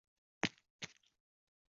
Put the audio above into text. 在圆盘上做一个标记来做定量描述。